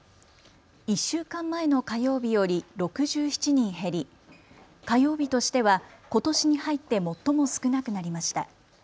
１週間前の火曜日より６７人減り火曜日としては、ことしに入って最も少なくなりました。